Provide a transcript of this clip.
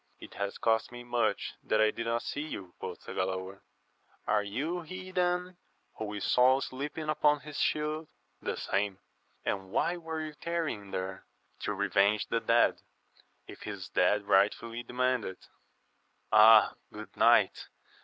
It has cost me much that I did not see you, quoth Galaor. Are you he then, whom we saw sleeping upon his shield %— The same. — ^And why were you tarrying there ?— To revenge the dead, if his death rightfully demanded it. — Ah, good knight